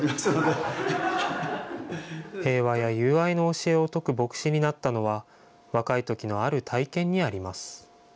教えを説く牧師になったのは若いときのある体験にあります。